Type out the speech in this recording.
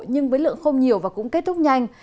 nhưng với lượng không nhiều và cũng kết thúc nhanh